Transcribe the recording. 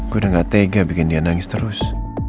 gue udah gak tega bikin dia nangis terus